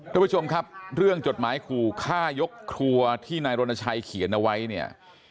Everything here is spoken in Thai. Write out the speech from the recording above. ทุกผู้ชมครับเรื่องจดหมายขู่ฆ่ายกครัวที่นายรณชัยเขียนเอาไว้เนี่ย